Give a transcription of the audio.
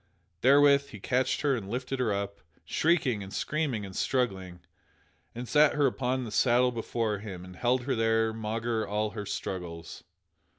Therewith he catched her and lifted her up, shrieking and screaming and struggling, and sat her upon the saddle before him and held her there maugre all her struggles.